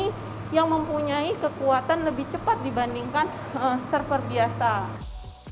karena mesin ini yang mempunyai kekuatan lebih cepat dibandingkan server biasa